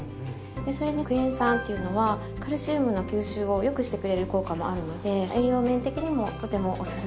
それにクエン酸っていうのはカルシウムの吸収をよくしてくれる効果もあるので栄養面的にもとてもおすすめ。